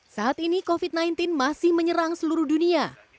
saat ini covid sembilan belas masih menyerang seluruh dunia